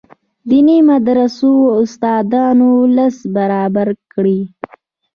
دیني مدرسو استادانو لست برابر کړي.